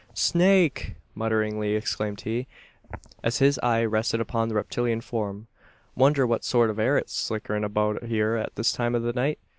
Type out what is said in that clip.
"Snake!" mutteringly exclaimed he, as his eye rested upon the reptilian form. "Wonder what sort it air, slickerin' aboout hyur at this time o' the night?